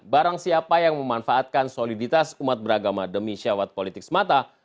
barang siapa yang memanfaatkan soliditas umat beragama demi syawat politik semata